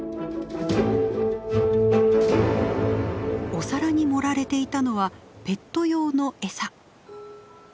お皿に盛られていたのはペット用の餌。